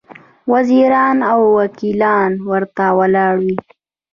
وزیران او وکیلان ورته ولاړ وي.